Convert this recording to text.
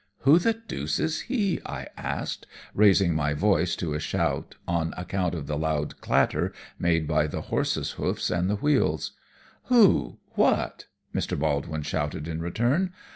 "Who the deuce is he?" I asked, raising my voice to a shout on account of the loud clatter made by the horse's hoofs and the wheels. "Who? what?" Mr. Baldwin shouted in return.